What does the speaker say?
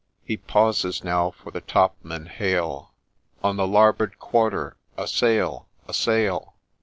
' He pauses now, for the topmen hail —' On the larboard quarter a sail ! a sail